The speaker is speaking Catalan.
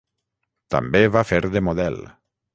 També va fer de model.